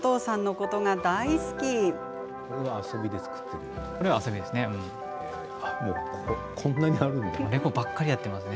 これは遊びで作っているんですね。